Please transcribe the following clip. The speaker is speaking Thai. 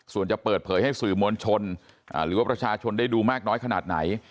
ส่วนจะเปิดเผยให้สื่อมวลชนหรือว่าประชาชนได้ดูมากน้อยขนาดไหน